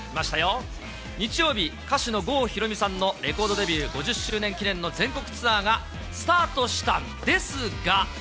日曜日、歌手の郷ひろみさんのレコードデビュー５０周年記念の全国ツアーがスタートしたんですが。